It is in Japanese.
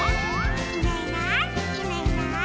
「いないいないいないいない」